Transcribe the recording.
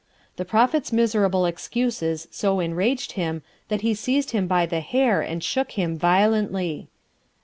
The Prophet's miserable excuses so enraged him that he seized him by the hair and shook him violently.